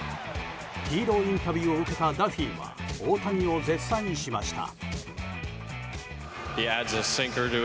ヒーローインタビューを受けたダフィーは大谷を絶賛しました。